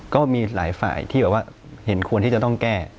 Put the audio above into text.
ก็มีหลายฝ่ายที่แบบว่าเห็นควรที่จะต้องแก้